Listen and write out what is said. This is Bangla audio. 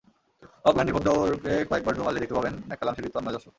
অকল্যান্ডের ঘোড়দৌড়ে কয়েকবার ঢুঁ মারলেই দেখতে পাবেন, ম্যাককালাম সেটির তন্ময় দর্শক।